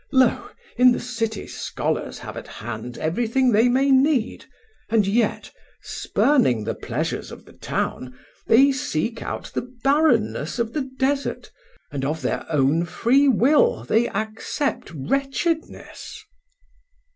Lo, in the cities scholars have at hand everything they may need, and yet, spurning the pleasures of the town, they seek out the barrenness of the desert, and of their own free will they accept wretchedness."